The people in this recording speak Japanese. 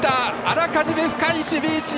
あらかじめ深い守備位置。